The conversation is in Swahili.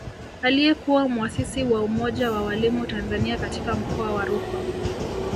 Aliyekuwa mwasisi wa Umoja wa Walimu Tanzania katika Mkoa wa Rukwa